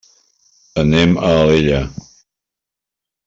Anem a Alella.